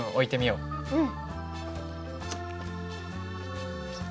うん。